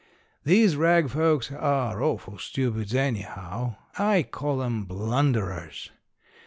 These rag folks are awful stupids, anyhow. I call 'em "blunderers."